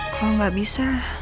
kalau gak bisa